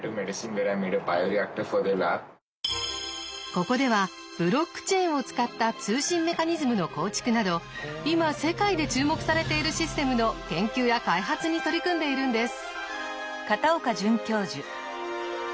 ここではブロックチェーンを使った通信メカニズムの構築など今世界で注目されているシステムの研究や開発に取り組んでいるんです。